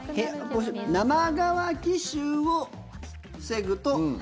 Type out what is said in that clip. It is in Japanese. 生乾き臭を、防ぐと。